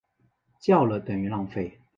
叫了等于浪费